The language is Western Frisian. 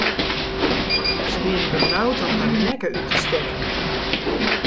Se wienen benaud om harren nekke út te stekken.